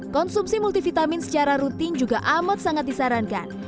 konsumsi multivitamin secara rutin juga amat sangat disarankan